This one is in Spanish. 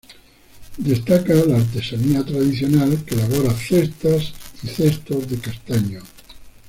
Destaca la artesanía tradicional que elabora cestas y cestos de castaño.